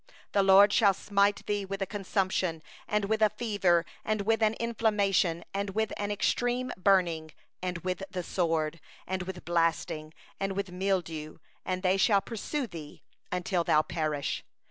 22The LORD will smite thee with consumption, and with fever, and with inflammation, and with fiery heat, and with drought, and with blasting, and with mildew; and they shall pursue thee until thou perish.